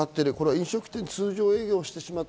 飲食店、通常営業をしてしまった。